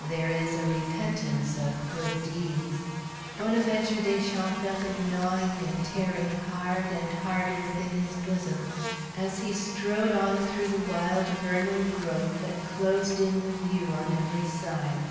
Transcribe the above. There is a repentance of good deeds. Bonaventure Deschamps felt it gnawing and tearing hard and harder within his bosom as he strode on through the wild vernal growth that closed in the view on every side.